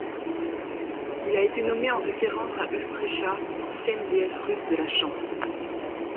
Il a été nommé en référence à Ustrecha, ancienne déesse russe de la chance.